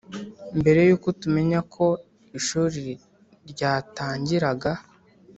mbere yuko tumenya ko ishuri ryatangiraga